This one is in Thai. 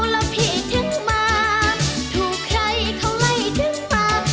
แล้วพี่ถึงมาถูกใครเขาไล่ถึงปาก